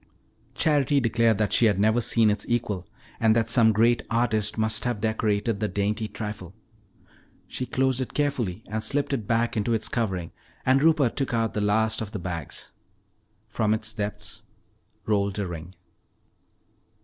Charity declared that she had never seen its equal and that some great artist must have decorated the dainty trifle. She closed it carefully and slipped it back into its covering, and Rupert took out the last of the bags. From its depths rolled a ring.